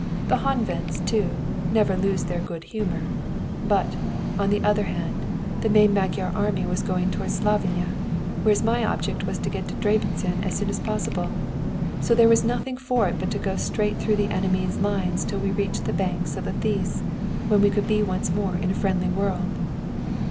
The Honveds, too, never lose their good humour; but, on the other hand, the main Magyar army was going towards Slavonia, whereas it was my object to get to Debreczin as soon as possible. So there was nothing for it but to go straight through the enemy's lines till we reached the banks of the Theiss, when we could be once more in a friendly world."